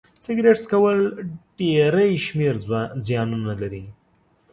سيګرټ څکول ډيری شمېر زيانونه لري